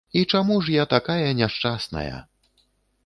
І чаму ж я такая няшчасная?